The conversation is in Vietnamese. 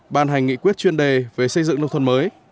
ban hành nghị quyết chuyên đề về xây dựng nông thôn mới